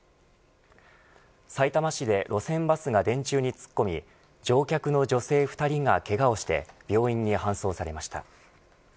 さいたま市で路線バスが電柱に突っ込み乗客の女性２人がけがをして病院に搬送されました。